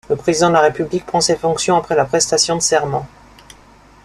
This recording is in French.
Le président de la République prend ses fonctions après la prestation de serment.